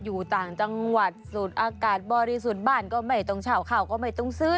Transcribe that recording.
อยู่ต่างจังหวัดสูดอากาศบริสุทธิ์บ้านก็ไม่ต้องเช่าข้าวก็ไม่ต้องซื้อ